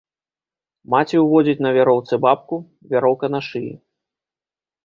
Маці ўводзіць на вяроўцы бабку, вяроўка на шыі.